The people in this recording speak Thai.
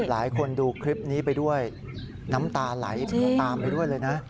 หลายคนดูคลิปนี้ไปด้วยน้ำตาไหลตามไปด้วยเลยนะ